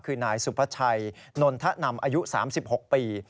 คือนายสุภาชัยนนทะนำอายุ๓๖ปี